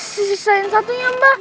sisain satunya mbak